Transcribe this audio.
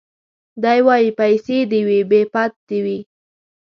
دی وايي پيسې دي وي بې پت دي وي